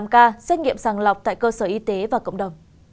một trăm chín mươi tám ca xét nghiệm sàng lọc tại cơ sở y tế và cộng đồng